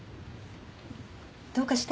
どうかしたの？